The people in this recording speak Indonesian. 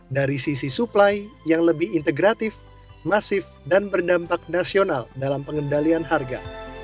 dari sisi supply yang lebih integratif masif dan berdampak nasional dalam pengendalian harga